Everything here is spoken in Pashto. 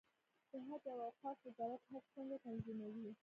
د حج او اوقافو وزارت حج څنګه تنظیموي؟